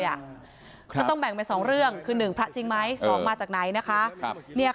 อย่าต้องแบ่งเป็น๒เรื่องคือ๑พระจริงไหมสองมาจากไหน